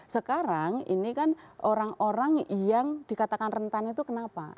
sekarang ini kan orang orang yang dikatakan rentan itu kenapa